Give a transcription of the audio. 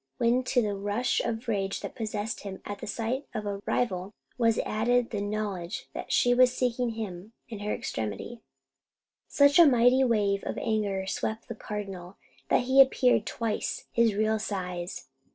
When to the rush of rage that possessed him at the sight of a rival was added the knowledge that she was seeking him in her extremity, such a mighty wave of anger swept the Cardinal that he appeared twice his real size.